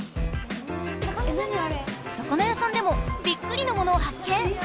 魚屋さんでもびっくりのものを発見！